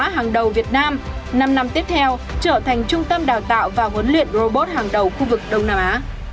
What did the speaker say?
hàng đầu việt nam năm năm tiếp theo trở thành trung tâm đào tạo và huấn luyện robot hàng đầu khu vực đông nam á